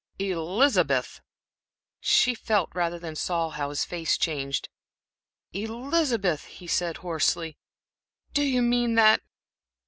"Elizabeth!" She felt rather than saw how his face changed. "Elizabeth," he said, hoarsely, "do you mean that?